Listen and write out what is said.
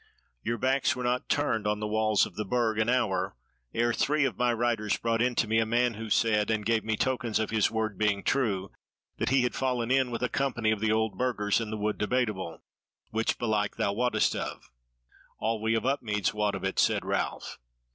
Your backs were not turned on the walls of the Burg an hour, ere three of my riders brought in to me a man who said, and gave me tokens of his word being true, that he had fallen in with a company of the old Burgers in the Wood Debateable, which belike thou wottest of." "All we of Upmeads wot of it," said Ralph.